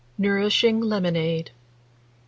NOURISHING LEMONADE. 1871.